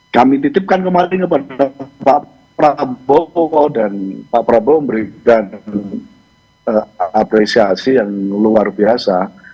kami titipkan kembali kepada pak prabowo dan pak prabowo memberikan apresiasi yang luar biasa